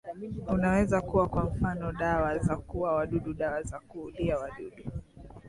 unaweza kuwa kwa mfano dawa za kuua wadudu dawa za kuulia wadudu